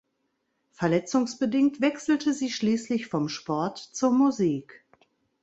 Verletzungsbedingt wechselte sie schließlich vom Sport zur Musik.